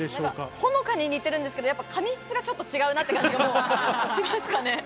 ほのかに似てるんですけど、髪質がちょっと違うなっていう感じもしますかね。